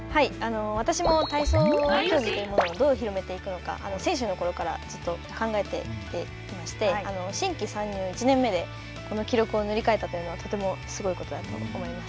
私も、体操競技というものをどう広めていくのか、選手のころからずっと考えてきまして、新規参入１年目で、この記録を塗り替えたというのは、とてもすごいことだと思います。